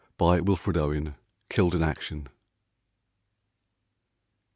51 WILFRED OWEN (killed in action).